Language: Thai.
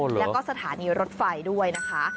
แล้วก็สถานีรถไฟด้วยนะคะ